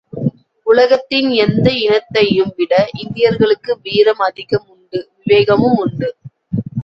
உலகத்தின் எந்த இனத்தையும் விட இந்தியர்களுக்கு வீரம் அதிகம் உண்டு விவேகமும் உண்டு.